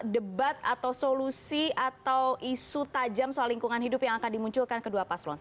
debat atau solusi atau isu tajam soal lingkungan hidup yang akan dimunculkan kedua paslon